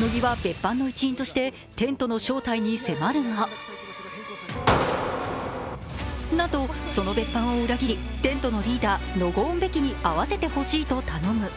乃木は別班の一員としてテントの正体に迫るがなんと、その別班を裏切り、テントのリーダー、ノゴーン・ベキに会わせてほしいと頼む。